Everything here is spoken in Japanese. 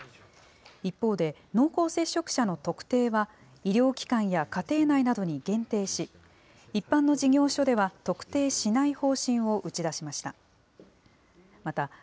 一方で濃厚接触者の特定は医療機関や家庭内などに限定し一般の事業所では特定しない方針を打ちだしました。